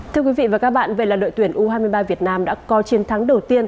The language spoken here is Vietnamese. thưa quý vị và các bạn về là đội tuyển u hai mươi ba việt nam đã có chiến thắng đầu tiên